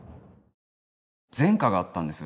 前科があったんです。